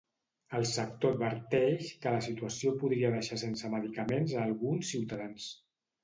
El sector adverteix que la situació podria deixar sense medicaments a alguns ciutadans.